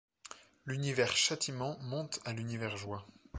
L’univers Châtiment monte à l’univers Joie.